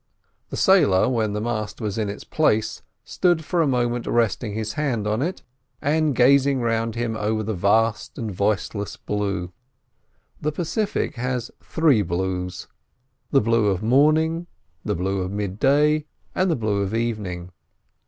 The sailor, when the mast was in its place, stood for a moment resting his hand on it, and gazing around him over the vast and voiceless blue. The Pacific has three blues: the blue of morning, the blue of midday, and the blue of evening.